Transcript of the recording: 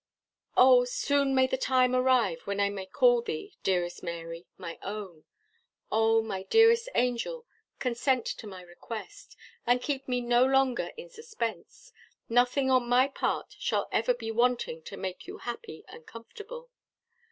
Oh! soon may the time arrive when I may call thee, dearest Mary, my own. Oh! my dearest angel, consent to my request, and keep me no longer in suspense; nothing on my part shall ever be wanting to make you happy and comfortable.